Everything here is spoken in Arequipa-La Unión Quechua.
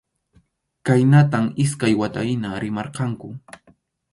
Khaynatam iskay wata hina rimarqanku.